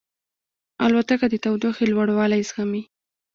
الوتکه د تودوخې لوړوالی زغمي.